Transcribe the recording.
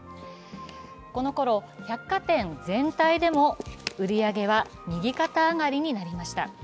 このころ、百貨店全体でも売り上げは右肩上がりになりました。